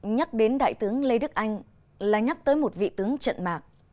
nhắc đến đại tướng lê đức anh là nhắc tới một vị tướng trận mạc